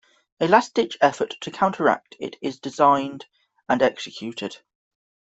A last-ditch effort to counteract it is designed and executed.